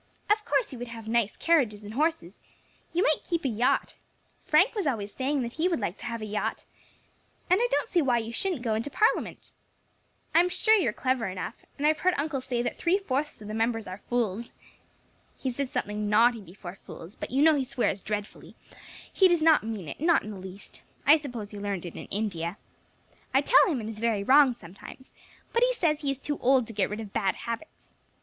Of course you would have nice carriages and horses; you might keep a yacht Frank was always saying that he would like to have a yacht, and I don't see why you shouldn't go into Parliament. I am sure you are clever enough, and I have heard uncle say that three fourths of the members are fools. He says something naughty before fools, but you know he swears dreadfully; he does not mean it, not in the least; I suppose he learned it in India. I tell him it is very wrong sometimes, but he says he is too old to get rid of bad habits.